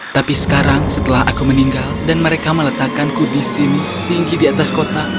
tapi sekarang setelah aku meninggal dan mereka meletakkanku di sini tinggi di atas kota